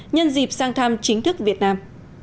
nhân dịp sang thăm chính thức việt nam